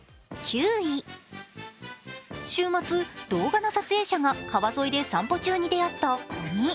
週末動画の撮影者が川沿いで撮影中に出会ったかに。